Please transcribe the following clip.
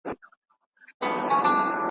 زحمت بریا ته رسوي.